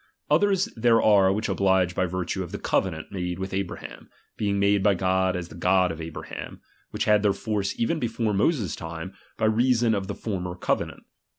Others there are which oblige by virtue of the covenant made with Abraham, being made by God as the God of Abraham, which had their force even before Moses's time, by reason of the former covenant.